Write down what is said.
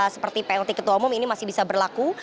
seperti plt ketua umum ini masih bisa berlaku